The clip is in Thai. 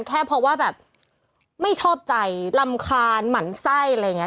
แค่เพราะว่าแบบไม่ชอบใจรำคาญหมั่นไส้อะไรอย่างนี้